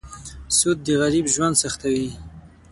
سود د غریب ژوند سختوي.